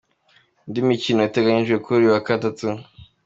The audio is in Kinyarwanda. Indi mikino iteganyijwe kuri uyu wa gatatu :.